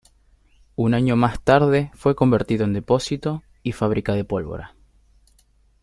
Un año más tarde fue convertido en depósito y fábrica de pólvora.